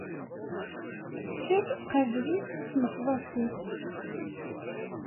Kker, qabel-it, snefḍas-it.